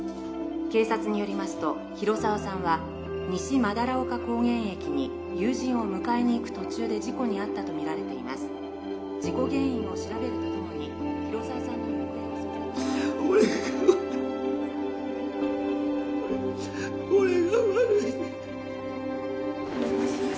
警察によりますと広沢さんは西斑丘高原駅に友人を迎えに行く途中で事故に遭ったとみられています事故原因を調べるとともに広沢さんの行方を捜索・俺が俺が悪いお願いします